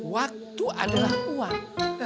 waktu adalah uang